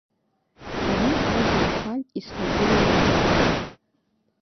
Ари ажәҩан-ҳаргь исхагылоу насхых…